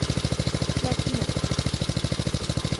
Filipino